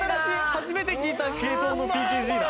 初めて聞いた系統のＴＫＧだ。